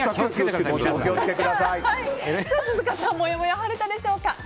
鈴鹿さんもやもや晴れたでしょうか。